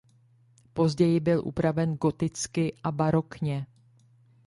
Později byl upraven goticky a barokně.